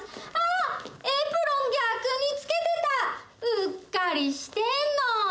うっかりしてんの！